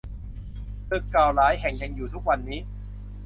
ตึกเก่าหลายแห่งยังอยู่ทุกวันนี้